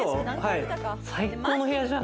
最高の部屋じゃん！